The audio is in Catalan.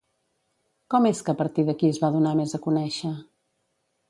Com és que a partir d'aquí es va donar més a conèixer?